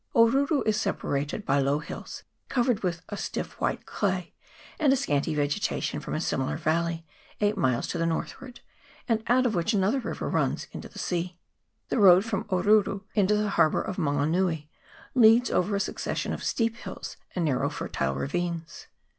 Oruru is separated by low hills covered with a stiff white clay and a scanty vegeta tion from a similar valley, eight miles to the north ward, and out of which another river runs into the sea. The road from Oruru into the harbour of Mango nui leads over a succession of steep hills and narrow fertile ravines.